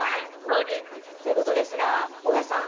そうです。ということですが大矢さん